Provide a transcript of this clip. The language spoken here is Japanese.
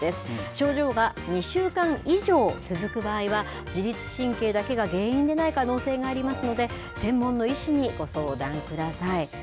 症状が２週間以上続く場合は、自律神経だけが原因でない可能性がありますので、専門の医師にご相談ください。